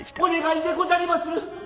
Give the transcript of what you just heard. お願いでござりまする。